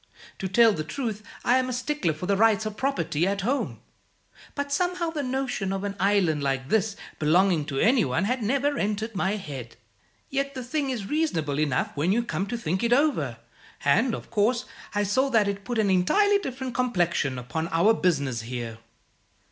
To tell the truth, I'm a stickler for the rights of property, at home; but somehow the notion of an island like this belonging to any one had never entered my head. Yet the thing is reasonable enough when you come to think it over; and, of course, I saw that it put an entirely different complexion upon our business here."